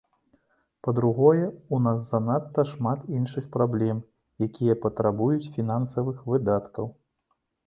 Па-другое, у нас занадта шмат іншых праблем, якія патрабуюць фінансавых выдаткаў.